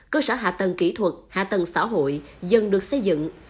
cơ sở hạ tầng kỹ thuật hạ tầng xã hội dần được xây dựng